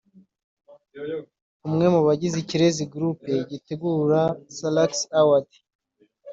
umwe mu bagize Ikirezi group gitegura Salax Awards